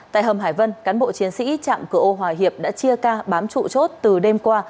tại hầm hải vân cán bộ chiến sĩ trạm cửa ô hòa hiệp đã chia ca bám trụ chốt từ đêm qua